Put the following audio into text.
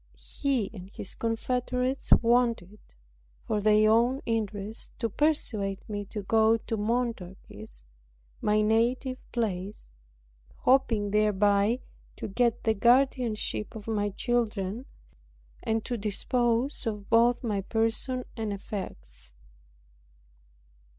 He and his confederates wanted, for their own interest, to persuade me to go to Montargis (my native place), hoping, thereby, to get the guardianship of my children, and to dispose of both my person and effects.